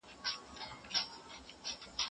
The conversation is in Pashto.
د غالب دیوان په ځانګړي لابراتوار کې وڅېړل سو.